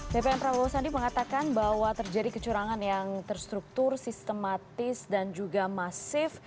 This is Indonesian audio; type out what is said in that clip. bpn prabowo sandi mengatakan bahwa terjadi kecurangan yang terstruktur sistematis dan juga masif